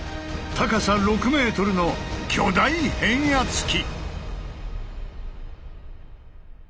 高さ６ｍの巨大変圧器！